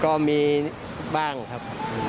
ก็มีบ้างครับ